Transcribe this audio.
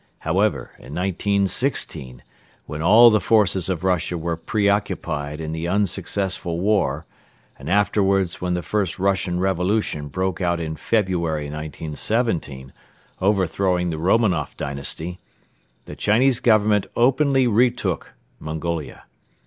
However, in 1916, when all the forces of Russia were pre occupied in the unsuccessful war and afterwards when the first Russian revolution broke out in February, 1917, overthrowing the Romanoff Dynasty, the Chinese Government openly retook Mongolia.